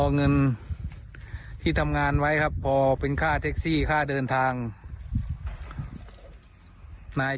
เงินที่ทำงานไว้ครับพอเป็นค่าเท็กซี่ค่าเดินทางนาย